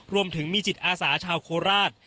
รวมถึงมีจิตอาสาชาวโคราช